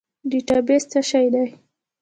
ډیټابیس څه شی دی؟